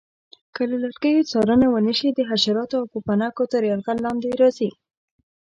که د لرګیو څارنه ونه شي د حشراتو او پوپنکو تر یرغل لاندې راځي.